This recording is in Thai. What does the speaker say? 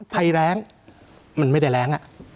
ไทยแร้งมันไม่ได้แร้งอะ